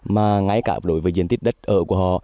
mà ngay cả đối với diện tích đất ở của họ